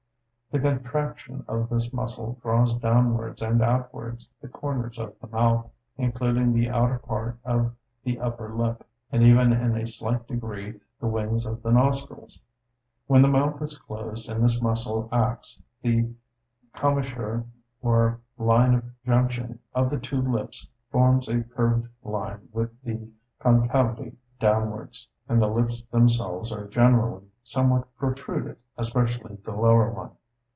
The contraction of this muscle draws downwards and outwards the corners of the mouth, including the outer part of the upper lip, and even in a slight degree the wings of the nostrils. When the mouth is closed and this muscle acts, the commissure or line of junction of the two lips forms a curved line with the concavity downwards, and the lips themselves are generally somewhat protruded, especially the lower one.